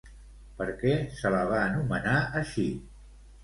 Per què se la va anomenar així?